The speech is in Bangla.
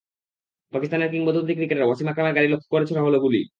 পাকিস্তানের কিংবদন্তি ক্রিকেটার ওয়াসিম আকরামের গাড়ি লক্ষ্য করে ছোড়া হলো গুলি।